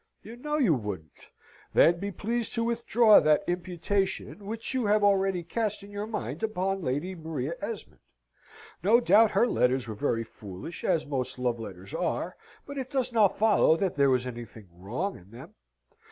You know you wouldn't. Then be pleased to withdraw that imputation which you have already cast in your mind upon Lady Maria Esmond. No doubt her letters were very foolish, as most love letters are, but it does not follow that there was anything wrong in them.